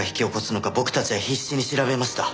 僕たちは必死に調べました。